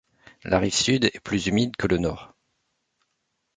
La rive sud est plus humide que le nord.